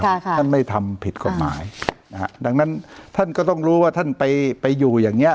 ค่ะท่านไม่ทำผิดกฎหมายนะฮะดังนั้นท่านก็ต้องรู้ว่าท่านไปไปอยู่อย่างเงี้